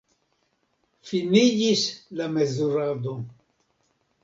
Finiĝis la mezurado.